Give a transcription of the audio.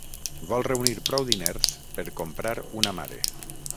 Vol reunir prou diners per ‘comprar’ una mare.